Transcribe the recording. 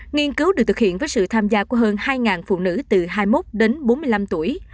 nghiên cứu được thực hiện với sự tham gia của hơn hai phụ nữ từ hai mươi một đến bốn mươi năm tuổi